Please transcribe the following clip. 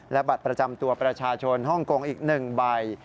และบัตรประจำตัวประชาชนฮ่องกงอีก๑ใบ